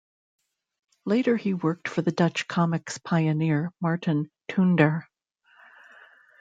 Later he worked for the Dutch comics pioneer Marten Toonder.